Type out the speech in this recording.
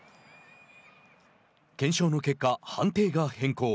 検証の結果、判定が変更。